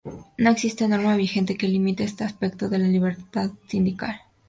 No existe norma vigente que límite este aspecto de la Libertad Sindical.